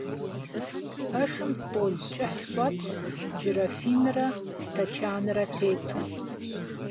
Пэшым стӀол кӀыхь щӀэтщ джырафинрэ стэчанрэ тету.